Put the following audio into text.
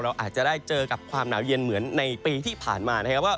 อาจจะได้เจอกับความหนาวเย็นเหมือนในปีที่ผ่านมานะครับว่า